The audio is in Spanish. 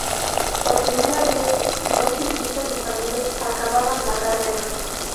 Por primera vez dos ciclistas españoles acababan la carrera.